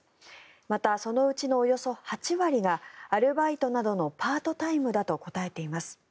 また、そのうちのおよそ８割がアルバイトなどのパートタイムだと答えています。